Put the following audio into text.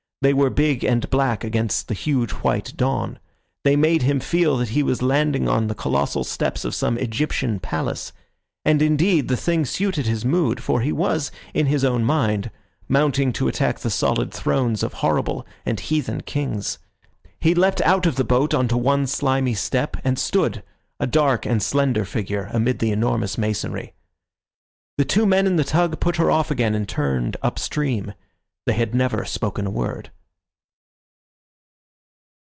They were big and black against the huge white dawn. They made him feel that he was landing on the colossal steps of some Egyptian palace; and, indeed, the thing suited his mood, for he was, in his own mind, mounting to attack the solid thrones of horrible and heathen kings. He leapt out of the boat on to one slimy step, and stood, a dark and slender figure, amid the enormous masonry. The two men in the tug put her off again and turned up stream. They had never spoken a word.